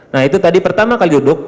nah itu tadi pertama kali duduk